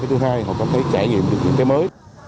thứ hai họ cảm thấy trải nghiệm được những cái mới